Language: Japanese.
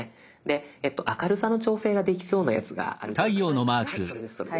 で明るさの調整ができそうなやつがあるではないですか。